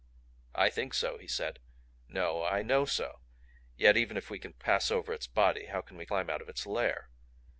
"I think so," he said. "No I KNOW so. Yet even if we can pass over its body, how can we climb out of its lair?